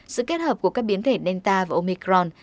sự kết hợp của các biến thể nelta và omicron